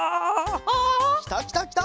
きたきたきた！